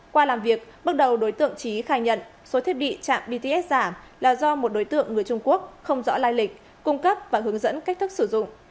qua làm việc bước đầu đối tượng trí khai nhận số thiết bị chạm bts giả là do một đối tượng người trung quốc không rõ lai lịch cung cấp và hướng dẫn cách thức sử dụng